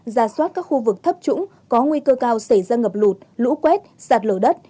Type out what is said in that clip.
ra soát các khu vực thấp trũng có nguy cơ cao xảy ra ngập lụt lũ quét sạt lở đất